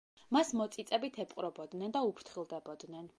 მას მოწიწებით ეპყრობოდნენ და უფრთხილდებოდნენ.